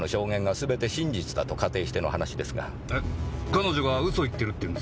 彼女が嘘を言ってるっていうんですか？